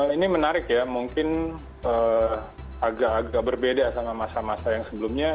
ini menarik ya mungkin agak agak berbeda sama masa masa yang sebelumnya